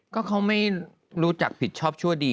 ก็เขาไม่รู้จักผิดชอบชั่วดี